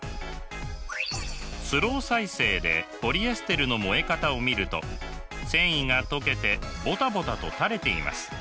スロー再生でポリエステルの燃え方を見ると繊維が溶けてボタボタとたれています。